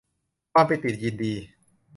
ความปิติยินดี